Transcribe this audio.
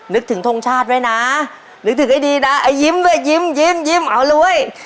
นึกถึงทรงชาติไว้นะนึกถึงไอดีนะไอ้ยิ้มด้วยยิ้มยิ้มเอารวย